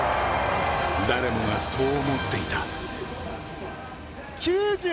誰もがそう思っていた。